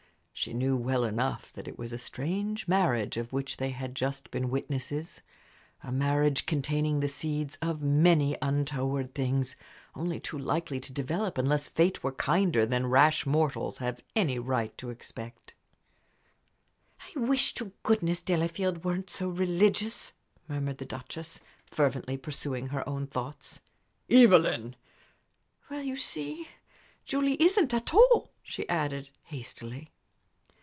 She knew well enough that it was a strange marriage of which they had just been witnesses a marriage containing the seeds of many untoward things only too likely to develop unless fate were kinder than rash mortals have any right to expect. "I wish to goodness Delafield weren't so religious," murmured the Duchess, fervently, pursuing her own thoughts. "Evelyn!" "Well, you see, Julie isn't, at all," she added, hastily.